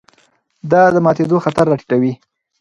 دا د ماتېدو خطر راټیټوي.